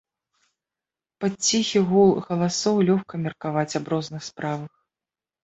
Пад ціхі гул галасоў лёгка меркаваць аб розных справах.